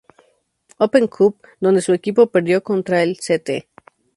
Open Cup, donde su equipo perdió contra el St.